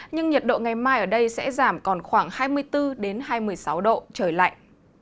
nhưng nhiệt độ ngày mai ở đây sẽ giảm còn khoảng hai mươi bốn hai mươi sáu độ trời lạnh